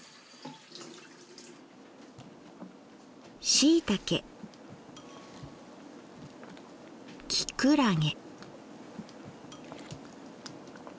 しいたけきくらげ。